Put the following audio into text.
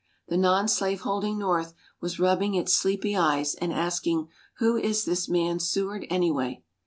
The non slaveholding North was rubbing its sleepy eyes, and asking, Who is this man Seward, anyway?